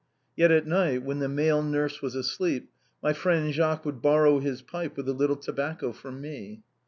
Yet at night, when the male nurse was asleep, my friend Jacques would borrow his pipe with a little tobacco from me.